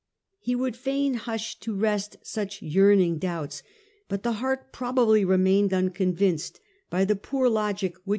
He would fain hush to rest such yearning doubts, but the heart probably remained unconvinced by the poor logic which 125 £ 47 i 8 o